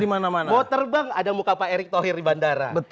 mau terbang ada muka pak erick thohir di bandara